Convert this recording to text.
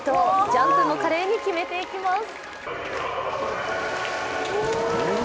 ジャンプも華麗に決めていきます。